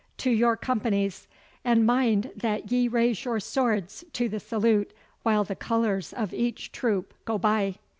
To your companies, and mind that ye raise your swords to the salute while the colours of each troop go by.